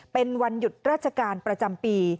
เป็นวันหยุดราชการประจำปี